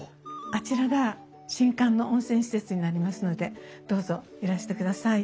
あちらが新館の温泉施設になりますのでどうぞいらしてください。